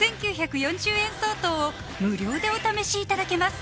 ５９４０円相当を無料でお試しいただけます